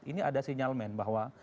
ini ada sinyal men bahwa